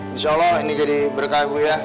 insya allah ini jadi berkah bu ya